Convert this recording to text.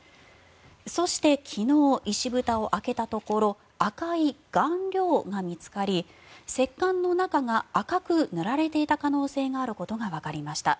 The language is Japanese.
そして、昨日石ぶたを開けたところ赤い顔料が見つかり石棺の中が赤く塗られていた可能性があることがわかりました。